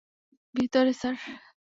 ভিতরে, স্যার।